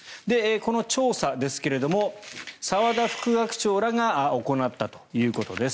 この調査ですが澤田副学長らが行ったということです。